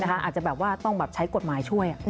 อาจจะต้องใช้กฎหมายช่วย